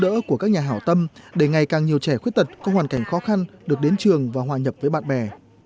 giúp đỡ của các nhà hảo tâm để ngày càng nhiều trẻ khuyết tật có hoàn cảnh khó khăn được đến trường và hòa nhập với bạn bè